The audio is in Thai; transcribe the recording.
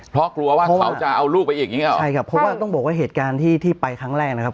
เพราะกลัวว่าเขาจะเอาลูกไปอีกอย่างงีหรอใช่ครับเพราะว่าต้องบอกว่าเหตุการณ์ที่ที่ไปครั้งแรกนะครับ